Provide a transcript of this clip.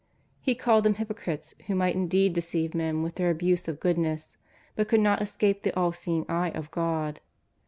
Lie called them hypo crites who might indeed deceive men with their show of goodness, but could not escape the Allseeing eye of God.